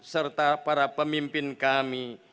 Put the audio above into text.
serta para pemimpin kami